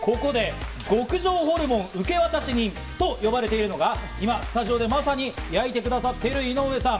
ここで極上ホルモン受け渡し人と呼ばれているのが今、スタジオでまさに焼いてくださっている井上さん。